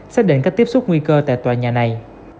xác định các tiếp xúc nguy cơ tại tòa nhà này